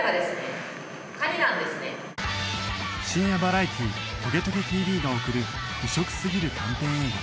深夜バラエティー『トゲトゲ ＴＶ』が送る異色すぎる短編映画